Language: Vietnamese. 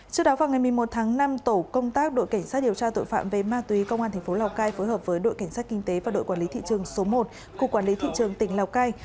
trước đó vào ngày một mươi một tháng năm tổ công tác đội cảnh sát điều tra tội phạm về ma túy công an tp lào cai phối hợp với đội cảnh sát kinh tế và đội quản lý thị trường số một của quản lý thị trường tỉnh lào cai